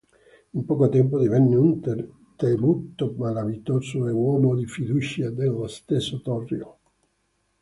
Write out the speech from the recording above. In poco tempo divenne un temuto malavitoso e uomo di fiducia dello stesso Torrio.